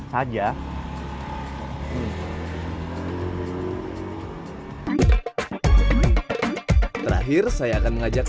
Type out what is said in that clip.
mengajak anda untuk mencoba siomay lokasinya di gbk makasih banyak terima kasih dan sampai jumpa di video selanjutnya